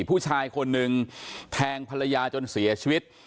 ผู้ชายคนหนึ่งแทงภรรยาจนเสียชีวิต